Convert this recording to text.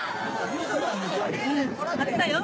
あったよ！